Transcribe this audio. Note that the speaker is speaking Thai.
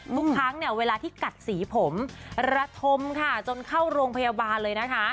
ทุกครั้งเนี่ยเวลาที่กัดสีผมระทมค่ะจนเข้าโรงพยาบาลเลยนะคะ